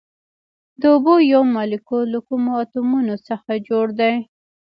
د اوبو یو مالیکول له کومو اتومونو څخه جوړ دی